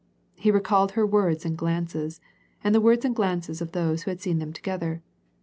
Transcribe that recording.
He recalled her words and glances, Jind the words and glances of those who had seen them together.